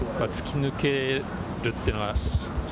突き抜けるというのが。